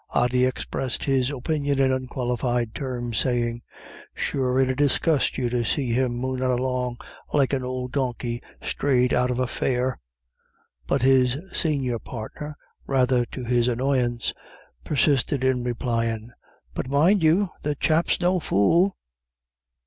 Ody expressed his opinion in unqualified terms, saying, "Sure it 'ud disgust you to see him moonin' along like an ould donkey strayed out of a fair." But his senior partner, rather to his annoyance, persisted in replying, "But, mind you, the chap's no fool."